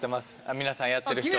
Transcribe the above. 皆さんやってる人を。